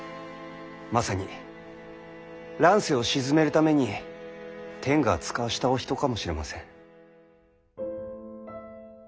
まさに乱世を鎮めるために天が遣わしたお人かもしれません。